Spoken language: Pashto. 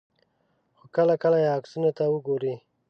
خو کله کله یې عکسونو ته وګورئ.